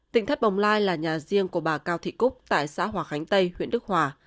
tỉnh thất bồng lai là nhà riêng của bà cao thị cúc tại xã hòa khánh tây huyện đức hòa